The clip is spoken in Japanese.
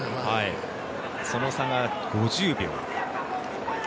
その差が５０秒。